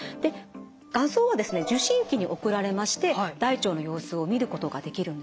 画像は受信機に送られまして大腸の様子を見ることができるんですね。